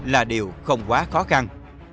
là điều không quá khó khăn